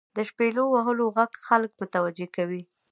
• د شپیلو وهلو ږغ خلک متوجه کوي.